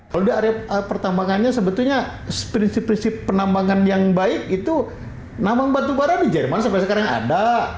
kalau di area pertambangannya sebetulnya prinsip prinsip penambangan yang baik itu nambang batubara di jerman sampai sekarang ada